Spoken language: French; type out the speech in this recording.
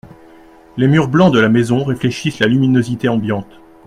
Les murs blancs de la maison réfléchissent la luminosité ambiante.